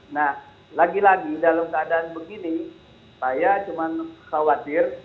nah lagi lagi dalam keadaan begini saya cuma khawatir